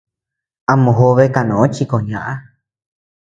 A mojobe kanó chi koʼö ñaʼä.